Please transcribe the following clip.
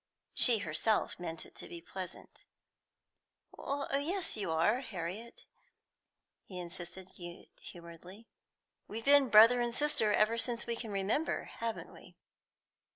She herself meant it to be pleasant. "Oh yes, you are, Harriet," he insisted good humouredly. "We've been brother and sister ever since we can remember, haven't we?"